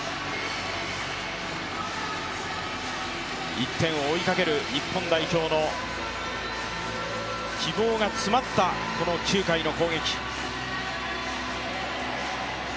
１点を追いかける日本代表の希望が詰まったこの９回の攻撃。